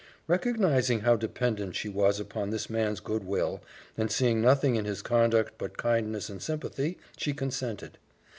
Recognizing how dependent she was upon this man's good will, and seeing nothing in his conduct but kindness and sympathy, she consented.